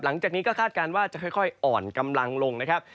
หลังจากนี้ก็คาดการณ์ว่าจะค่อยอ่อนกำลังลงนะครับ